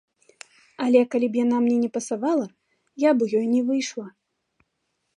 Але калі б яна мне не пасавала, я б у ёй не выйшла.